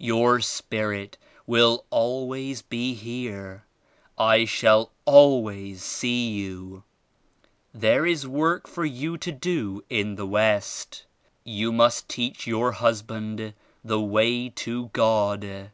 Your spirit will always be here. I shall always see you. There is work for you to do in the West. You must teach your husband the Way to God.